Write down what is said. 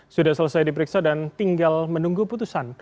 sudah selesai diperiksa dan tinggal menunggu putusan